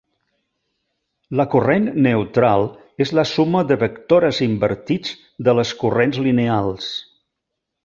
La corrent neutral és la suma de vectores invertits de les corrents lineals.